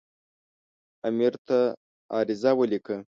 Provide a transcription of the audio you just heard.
امیر ته عریضه ولیکله.